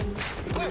はい！